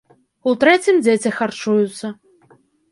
У трэцім дзеці харчуюцца.